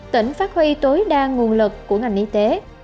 tỉnh phát huy tối đa nguồn lực của ngành y tế